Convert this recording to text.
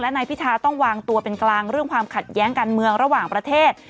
นายพิธาต้องวางตัวเป็นกลางเรื่องความขัดแย้งการเมืองระหว่างประเทศ